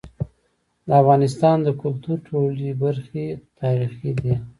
د افغانستان د کلتور ټولي برخي تاریخي دي.